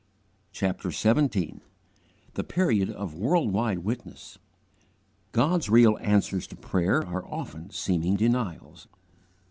CHAPTER XVII THE PERIOD OF WORLD WIDE WITNESS GOD'S real answers to prayer are often seeming denials.